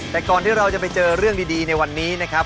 แต่ก่อนที่เราจะไปเจอเรื่องดีในวันนี้นะครับ